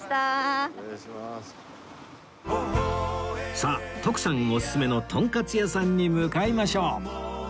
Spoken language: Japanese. さあ徳さんおすすめのとんかつ屋さんに向かいましょう